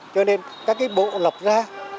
cho nên các cái bộ lập ra